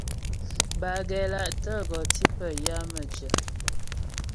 Bâ gɛ́la'tə gɔ tí pə yə á mə́jyə.